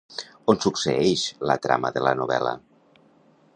On succeeix la trama de la novel·la?